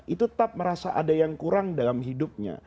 itu tetap merasa ada yang kurangnya